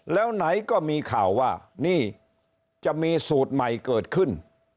แล้วไหนก็มีข่าวว่านี่จะมีสูตรใหม่เกิดขึ้น